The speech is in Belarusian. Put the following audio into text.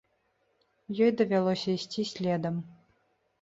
Ёй давялося ісці следам.